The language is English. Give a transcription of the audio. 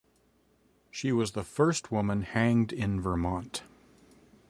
She was the first woman hanged in Vermont.